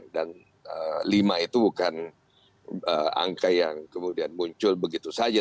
dan lima itu bukan angka yang kemudian muncul begitu saja